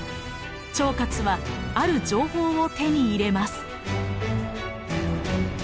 趙括はある情報を手に入れます。